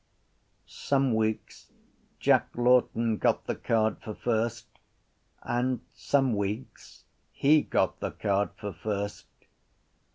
Some weeks Jack Lawton got the card for first and some weeks he got the card for first.